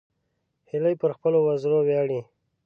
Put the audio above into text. هیلۍ پر خپلو وزرو ویاړي